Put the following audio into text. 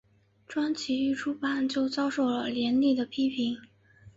专辑一出版就遭受了严厉的批评。